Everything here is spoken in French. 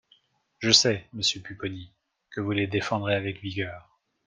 Je sais, monsieur Pupponi, que vous les défendrez avec vigueur.